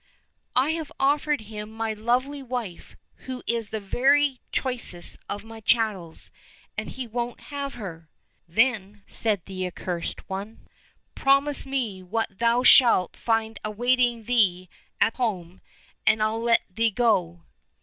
"I have offered him my lovely wife, who is the very choicest of my chattels, and he won't have her !"— Then said the Accursed One, '' Promise me what thou shalt find awaiting thee at home, and I'll let thee go."